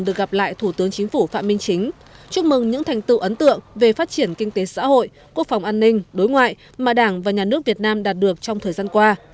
chúc mừng những thành tựu ấn tượng về phát triển kinh tế xã hội quốc phòng an ninh đối ngoại mà đảng và nhà nước việt nam đạt được trong thời gian qua